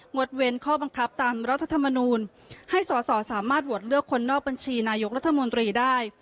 ดเว้นข้อบังคับตามรัฐธรรมนูลให้สอสอสามารถโหวตเลือกคนนอกบัญชีนายกรัฐมนตรีได้